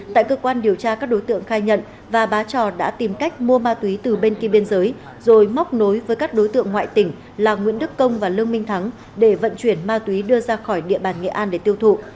tại cơ quan điều tra các đối tượng khai nhận và bá trò đã tìm cách mua ma túy từ bên kia biên giới rồi móc nối với các đối tượng ngoại tỉnh là nguyễn đức công và lương minh thắng để vận chuyển ma túy đưa ra khỏi địa bàn nghệ an để tiêu thụ